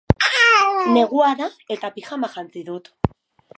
Negua da eta pijama jantzi dut.